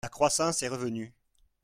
La croissance est revenue